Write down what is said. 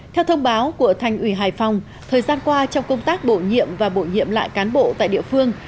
theo thông báo của thành ủy hải phòng thời gian qua trong công tác bổ nhiệm và bổ nhiệm lại cán bộ tại địa phương